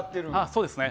そうですね。